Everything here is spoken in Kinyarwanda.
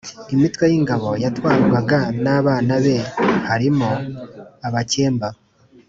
Imitwe y’Ingabo yatwarwaga n’abana be harimo Abakemba